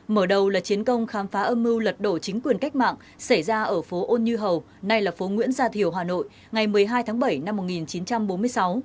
mở đầu là chiến công khám phá âm mưu lật đổ chính quyền cách mạng xảy ra ở phố ôn như hầu nay là phố nguyễn gia thiều hà nội ngày một mươi hai tháng bảy năm một nghìn chín trăm bốn mươi sáu